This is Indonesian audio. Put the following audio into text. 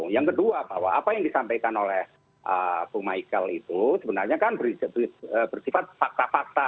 yang kedua bahwa apa yang disampaikan oleh bung michael itu sebenarnya kan bersifat fakta fakta